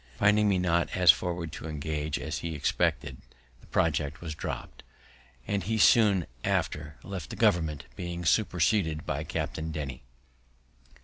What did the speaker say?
Finding me not so forward to engage as he expected, the project was dropt, and he soon after left the government, being superseded by Captain Denny.